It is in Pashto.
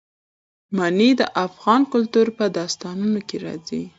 منی د افغان کلتور په داستانونو کې راځي.